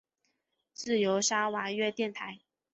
自由砂拉越电台。